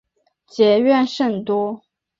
结怨甚多。